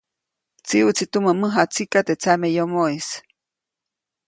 Tsiʼuʼtsi tumä mäjatsika teʼ tsameyomoʼis.